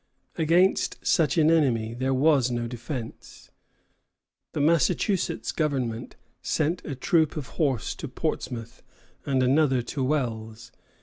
Against such an enemy there was no defence. The Massachusetts government sent a troop of horse to Portsmouth, and another to Wells.